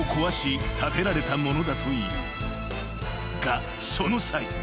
［がその際］